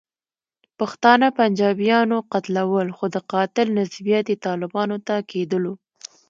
پښتانه پنجابیانو قتلول، خو د قاتل نسبیت یې طالبانو ته کېدلو.